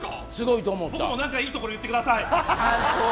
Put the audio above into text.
僕も何かいいところ言ってください。